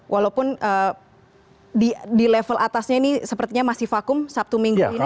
walaupun di level atasnya ini sepertinya masih vakum sabtu minggu ini